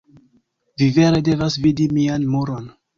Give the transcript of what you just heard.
Vi vere devas vidi mian muron.